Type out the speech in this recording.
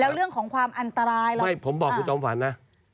แล้วเรื่องของความอันตรายล่ะไม่ผมบอกคุณจอมฝันนะ